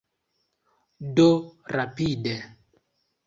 Do, rapide.